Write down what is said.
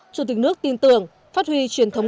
chủ tịch nước tin tưởng phát huy truyền thống